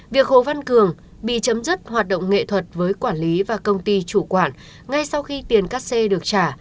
việc hồ văn cường bị chấm dứt hoạt động nghệ thuật với quản lý và công ty chủ quản ngay sau khi tiền cắt xê được trả